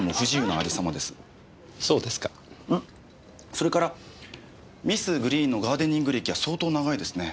あそれからミス・グリーンのガーデニング歴は相当長いですね。